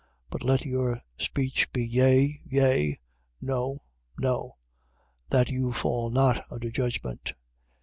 But let your speech be: Yea, Yea: No, No: that you fall not under judgment.